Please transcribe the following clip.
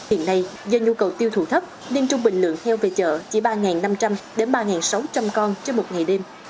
hiện nay do nhu cầu tiêu thụ thấp nên trung bình lượng heo về chợ chỉ ba năm trăm linh đến ba sáu trăm linh con trên một ngày đêm